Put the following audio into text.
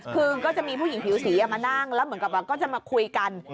คือก็จะมีผู้หญิงผิวสีมานั่งแล้วเหมือนกับก็จะมาคุยกัน